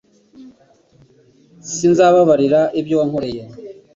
S Sinzababarira ibyo wankoreye